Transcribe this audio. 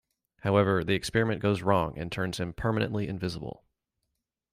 However, the experiment goes wrong and turns him permanently invisible.